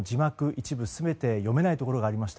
一部全て読めないところがありました。